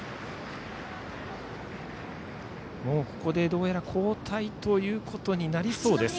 ここでどうやら交代ということになりそうです。